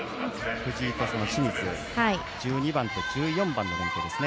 藤井と清水１２番と１４番の連係ですね。